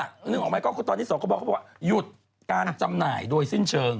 มานึงออกมาก็คือตอนที่๒เขาบอกอย่าหยุดการจำหน่ายโดยสิ้นเชิง